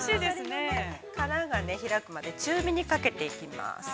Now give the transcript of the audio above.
◆あさりの殻が開くまで中火にかけていきます。